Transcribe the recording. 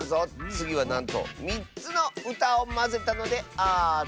つぎはなんと３つのうたをまぜたのである！